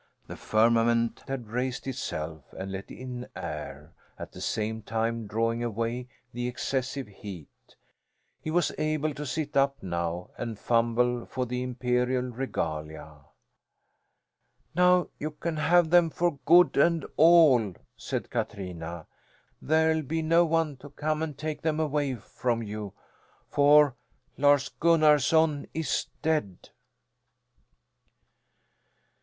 The firmament had raised itself and let in air, at the same time drawing away the excessive heat. He was able to sit up now and fumble for the imperial regalia. "Now you can have them for good and all," said Katrina. "There'll be no one to come and take them away from you, for Lars Gunnarson is dead."